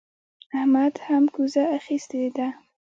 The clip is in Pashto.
احمد هم کوزه اخيستې ده.